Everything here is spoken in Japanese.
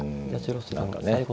何かね。